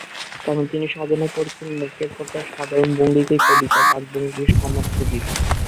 কারণ, তিনি সাধনা করেছেন মুখের কথার সাধারণ ভঙ্গিকেই কবিতার বাকভঙ্গির সামর্থ্য দিতে।